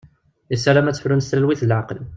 Yessaram ad tefrun s talwit d leɛqel.